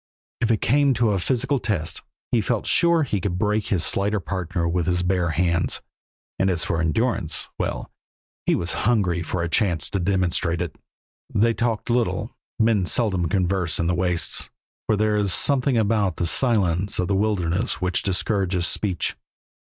If it came to a physical test he felt sure he could break his slighter partner with his bare hands, and as for endurance well, he was hungry for a chance to demonstrate it. They talked little; men seldom converse in the wastes, for there is something about the silence of the wilderness which discourages speech.